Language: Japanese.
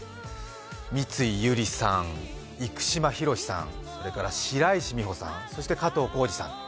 三井ゆりさん、生島ヒロシさん、それから白石美帆さん、そして加藤浩次さん。